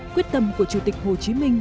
quyết tâm của chủ tịch hồ chí minh